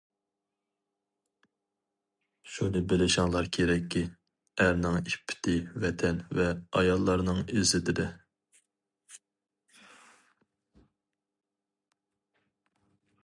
شۇنى بىلىشىڭلار كېرەككى، ئەرنىڭ ئىپپىتى ۋەتەن ۋە ئاياللارنىڭ ئىززىتىدە.